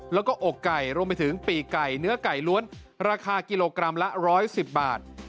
แล้วก็อกไก่รวมไปถึงปีกไก่เนื้อไก่ล้วนราคากิโลกรัมละ๑๑๐บาท